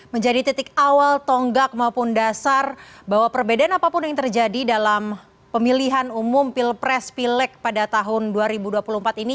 menjadi titik awal tonggak maupun dasar bahwa perbedaan apapun yang terjadi dalam pemilihan umum pilpres pilek pada tahun dua ribu dua puluh empat ini